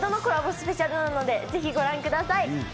スペシャルなので、ぜひご覧ください。